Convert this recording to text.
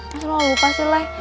masa lo lupa sih leh